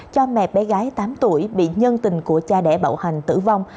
cho mẹ bé gái tám tuổi bị nhân tình của cha đẻ bạo hành tử vong